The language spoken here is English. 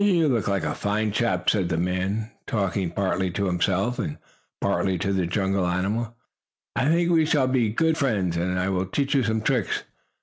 "You look like a fine chap," said the man, talking partly to himself and partly to the jungle animal. "I think we shall be good friends, and I will teach you some tricks.